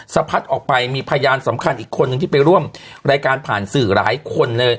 สะพัดออกไปมีพยานสำคัญอีกคนนึงที่ไปร่วมรายการผ่านสื่อหลายคนเลย